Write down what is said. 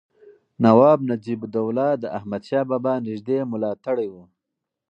نواب نجیب الدوله د احمدشاه بابا نږدې ملاتړی و.